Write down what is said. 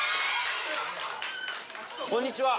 こんにちは。